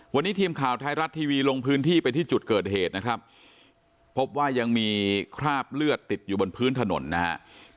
วันนี้ทีมข่าวไทยรัฐทีวีลงพื้นที่ไปที่จุดเกิดเหตุนะครับพบว่ายังมีคราบเลือดติดอยู่บนพื้นถนนนะฮะ